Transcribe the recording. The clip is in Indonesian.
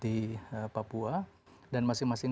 di papua dan masing masing